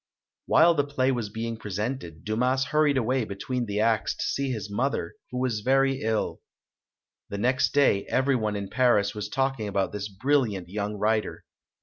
While the play was being presented, Dumas hurried away between the acts to see his mother, who was very ill. The next day, every one in Paris was talking about this brilliant young writer.